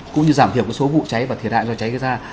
cũng như giảm thiểu số vụ cháy và thiệt hại do cháy gây ra